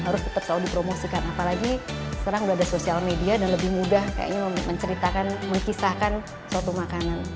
harus tetap selalu dipromosikan apalagi sekarang udah ada social media dan lebih mudah kayaknya menceritakan mengkisahkan suatu makanan